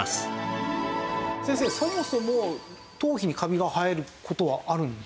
そもそも頭皮にカビが生える事はあるんですか？